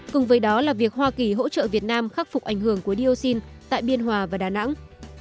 cùng với đó là việc hoa kỳ hỗ trợ việt nam khắc phục ảnh hưởng của dioxin tại biên hòa và đà nẵng